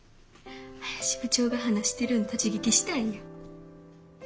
林部長が話してるん立ち聞きしたんや。